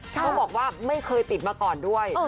เขาบอกว่าไม่เคยติดมาก่อนด้วย